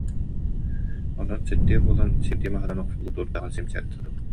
Онон сэттиэ буолан сиэрдийэ маһынан охсуллубут дурдаҕа симсэн сытабыт